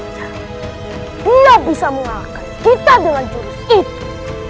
jangan bisa mengalahkan kita dengan jurus itu